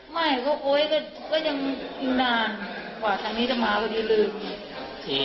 ไม่ก็โอ๊ยก็ยังนานกว่าทางนี้จะมาพอดีเลย